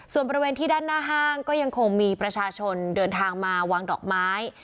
ส่วนบริเวณที่ด้านหน้าห้างก็ยังคงมีประชาชนเดินทางมาวางดอกไม้